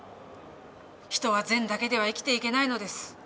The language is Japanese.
人は善だけでは生きていけないのです。